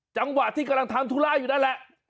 จังหวะที่กำลังทำธุระอยู่นั่นแหละ